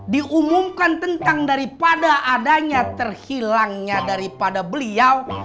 diumumkan tentang daripada adanya terhilangnya daripada beliau